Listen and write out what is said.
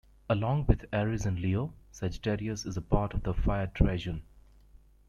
Along with Aries and Leo, Sagittarius is a part of the Fire Trigon.